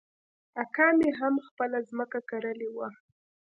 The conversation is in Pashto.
اکا مې هم خپله ځمکه کرلې وه.